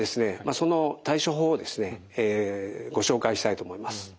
その対処法をですねご紹介したいと思います。